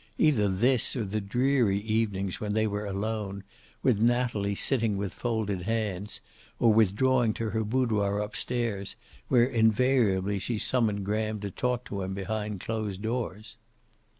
Either this, or the dreary evenings when they were alone, with Natalie sifting with folded hands, or withdrawing to her boudoir upstairs, where invariably she summoned Graham to talk to him behind closed doors.